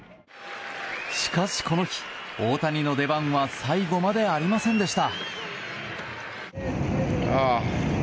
しかしこの日、大谷の出番は最後までありませんでした。